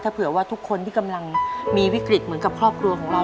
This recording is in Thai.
เผื่อว่าทุกคนที่กำลังมีวิกฤตเหมือนกับครอบครัวของเรา